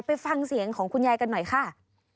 ไปฟังเสียงของคุณยายกันหน่อยค่ะ